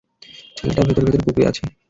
ছেলেটা ভেতরে ভেতরে কুঁকড়ে আছে!